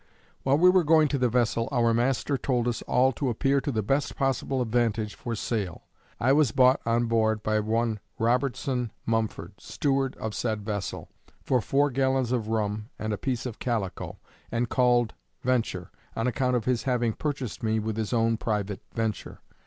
While we were going to the vessel, our master told us all to appear to the best possible advantage for sale. I was bought on board by one Robertson Mumford, steward of said vessel, for four gallons of rum, and a piece of calico, and called VENTURE, on account of his having purchased me with his own private venture.